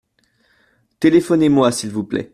Téléphonez-moi s’il vous plait.